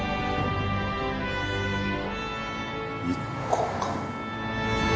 １個か。